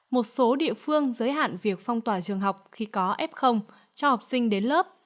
một số địa phương giới hạn việc phong tỏa trường học khi có f cho học sinh đến lớp